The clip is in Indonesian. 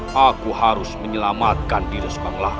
haku harus menyelamatkan diri subang larang